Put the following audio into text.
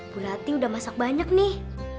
bu rati udah masak banyak nih